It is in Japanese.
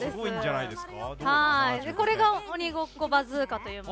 これが「鬼ごっこバズーカ」という。